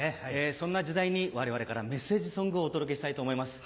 そんな時代にわれわれからメッセージソングをお届けしたいと思います。